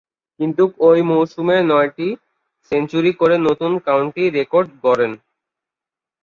কিন্তু ঐ মৌসুমে নয়টি সেঞ্চুরি করে নতুন কাউন্টি রেকর্ড গড়েন।